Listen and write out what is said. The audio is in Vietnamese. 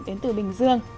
đến từ bình dương